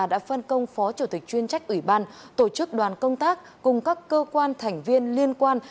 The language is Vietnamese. đã phân công phó chủ tịch chuyên trách ủy ban tổ chức đoàn công tác cùng các cơ quan thành viên liên quan